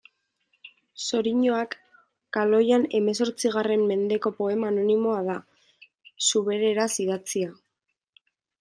Xoriñoak kaloian hemezortzigarren mendeko poema anonimoa da, zubereraz idatzia.